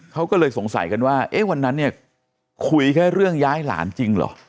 เขาก็เลยสงสัยกันว่าเอ๊ะวันนั้นเนี่ยคุยแค่เรื่องย้ายหลานจริงเหรอ